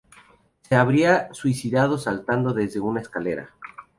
Se habría suicidado saltando desde una escalera.